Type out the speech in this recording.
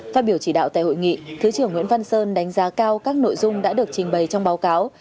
phát biểu chỉ đạo tại hội nghị thứ trưởng nguyễn văn sơn đánh giá cao các nội dung đã được trình bày trong báo cáo